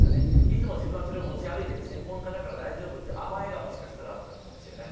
いつも自分はそれを持ち歩いてる専門家だから大丈夫って甘えがもしかしたら、あったのかもしれない。